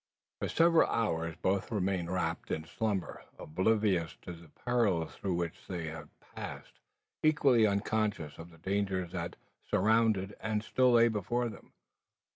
For several hours both remained wrapped in slumber, oblivious of the perils through which they had passed, equally unconscious of the dangers that surrounded and still lay before them.